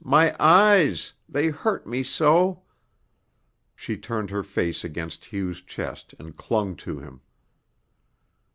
My eyes! They hurt me so!" She turned her face against Hugh's chest and clung to him.